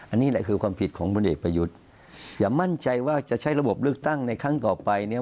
อันนี้แหละคือความผิดของพลเอกประยุทธ์อย่ามั่นใจว่าจะใช้ระบบเลือกตั้งในครั้งต่อไปเนี่ย